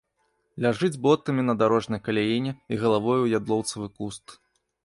Ляжыць ботамі на дарожнай каляіне і галавою ў ядлоўцавы куст.